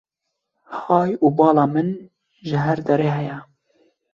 Hay û bala min ji her derê heye.